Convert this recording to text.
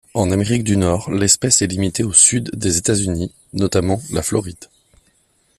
En Amérique du Nord, l'espèce est limitée au sud des États-Unis, notamment la Floride.